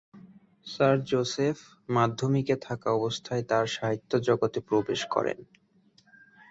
সারা জোসেফ মাধ্যমিকে থাকা অবস্থায় তার সাহিত্য জগতে প্রবেশ করেন।